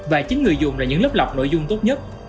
và chính người dùng là những lớp lọc nội dung tốt nhất